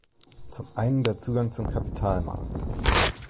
Zum einen der Zugang zum Kapitalmarkt.